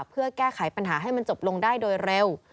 เพื่อแก้ไขปัญหาให้มันจบลงได้โดยเร็ว